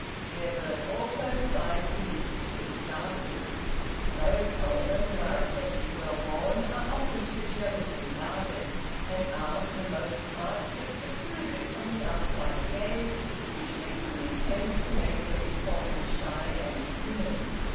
Their birth, also, divides them into three classes. Those, however, who are especially well born, are often too jealously guarded, and are, for the most part, kept secluded from the outside gaze, which frequently tends to make their deportment shy and timid.